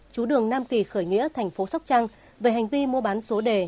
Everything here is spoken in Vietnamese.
chú đường nam kỳ khởi nghĩa thành phố sóc trăng về hành vi mua bán số đề